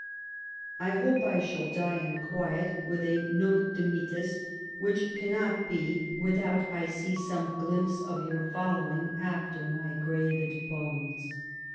... I hope I shall die in quiet with a Nunc Dimittis, which cannot be without I see some glimpse of your following after my graved bones.